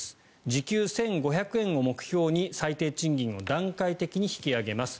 時給１５００円を目標に最低賃金を段階的に引き上げます。